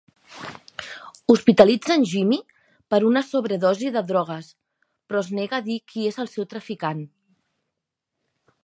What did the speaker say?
Hospitalitzen Jimmy per una sobredosi de drogues, però es nega a dir qui és el seu traficant.